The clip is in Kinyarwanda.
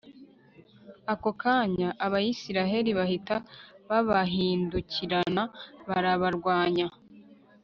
ako kanya abayisraheli bahita babahindukirana, barabarwanya